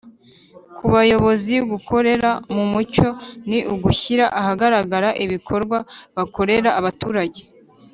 Ku bayobozi, gukorera mu mucyo ni ugushyira ahagaragara ibikorwa bakorera abaturage,